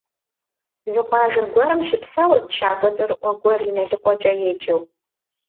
Зы къуажэ гуэрым щыпсэурт щакӀуэ цӀэрыӀуэ гуэр ИналыкъуэкӀэ еджэу.